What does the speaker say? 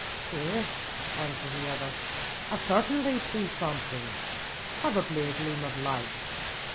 "'Yes,' answered the other, 'I certainly see something. Probably a gleam of light.